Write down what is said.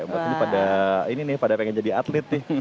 wah ini pada pengen jadi atlet nih